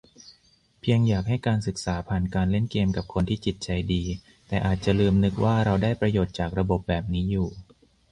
เพียงอยากให้การศึกษาผ่านการเล่นเกมกับคนที่จิตใจดี แต่อาจจะลืมนึก ว่าเราได้ประโยชน์จากระบบแบบนี้อยู่